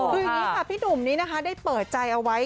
คืออย่างนี้ค่ะพี่หนุ่มนี้นะคะได้เปิดใจเอาไว้